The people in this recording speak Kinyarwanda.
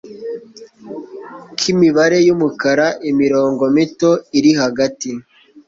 k'imibare y'umukara imirongo mito iri hagati